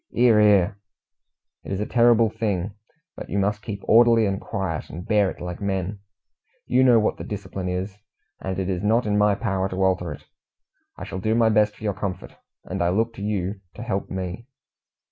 "'Ear, 'ear!" "It is a terrible thing, but you must keep orderly and quiet, and bear it like men. You know what the discipline is, and it is not in my power to alter it. I shall do my best for your comfort, and I look to you to help me."